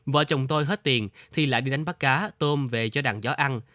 vợ chồng tôi hết tiền thì lại đi đánh bắt cá tôm về cho đàn gió ăn